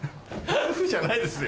「ウフフ」じゃないですよ。